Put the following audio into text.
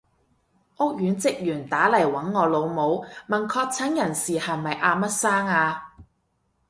屋苑職員打嚟搵我老母，問確診人士係咪阿乜生啊？